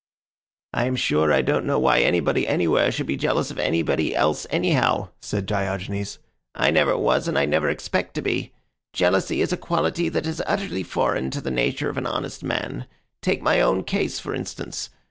"I am sure I don't know why anybody anywhere should be jealous of anybody else anyhow," said Diogenes. "I never was and I never expect to be. Jealousy is a quality that is utterly foreign to the nature of an honest man. Take my own case, for instance.